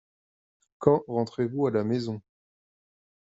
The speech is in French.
Quand rentrez-vous à la maison ?